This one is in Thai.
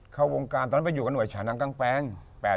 เข้าวงการตอนนั้นไปอยู่กับหน่วยฉานางกลางแปลง